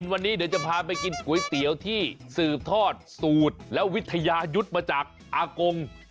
วันนี้เดี๋ยวจะพาไปกินก๋วยเตี๋ยวที่สืบทอดสูตรและวิทยายุทธ์มาจากอากง